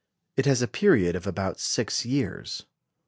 It has a period of about six years.